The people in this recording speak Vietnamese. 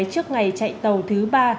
trước ngày chạy tàu thứ ba